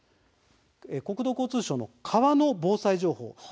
国土交通省の「川の防災情報」